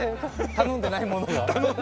頼んでないものが。